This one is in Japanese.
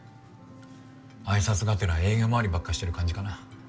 挨拶がてら営業周りばっかしてる感じかな。